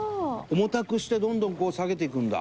重たくしてどんどん下げていくんだ。